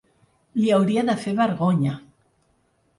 Li hauria de fer vergonya.